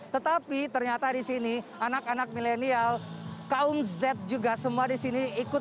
tetapi ternyata di sini anak anak milenial kaum z juga semua di sini ikut